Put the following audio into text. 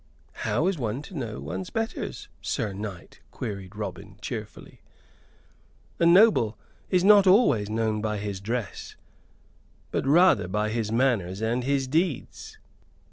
"How is one to know one's betters, Sir Knight?" queried Robin, cheerfully. "A noble is not always known by his dress, but rather by his manners and his deeds."